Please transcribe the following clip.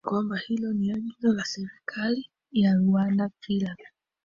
kwamba hilo ni agizo la serikali ya rwanda kila